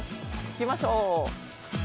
行きましょう。